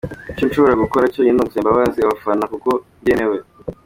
Icyo nshobora gukora cyonyine ni ugusaba imbabazi abafana kuko ntibyemewe".